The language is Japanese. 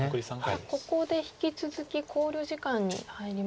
ここで引き続き考慮時間に入りましたね。